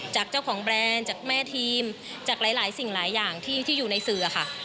จากเจ้าของแบรนด์จากแม่ทีมจากหลายสิ่งหลายอย่างที่อยู่ในสื่อค่ะ